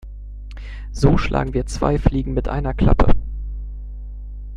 So schlagen wir zwei Fliegen mit einer Klappe.